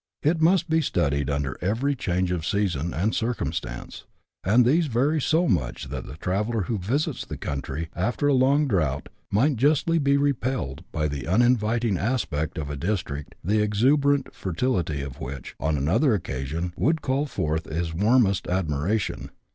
It must be studied under every change of season and circumstance ; and these vary so much that the traveller who visits the country after a long drought might justly be repelled by the uninviting aspect of a district the exuberant fertility of which, on another occasion, would call forth his warmest admiration.